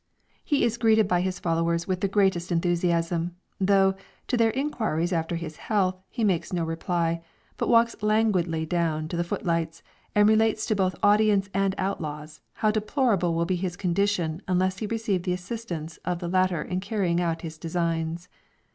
He is greeted by his followers with the greatest enthusiasm; though, to their inquiries after his health, he makes no reply, but walks languidly down to the foot lights, and relates to both audience and outlaws, how deplorable will be his condition unless he receive the assistance of the latter in carrying out his designs.